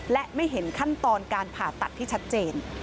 และไม่เห็นขั้นตอนการผ่าตัดที่ชัดเจน